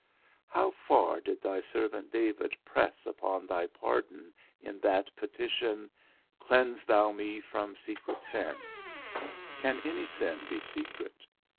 How far did thy servant David press upon thy pardon in that petition, Cleanse thou me from secret sins? Can any sin be secret?